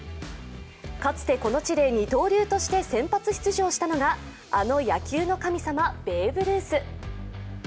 かつてこの地で二刀流として先発出場したのがあの野球の神様、ベーブ・ルース。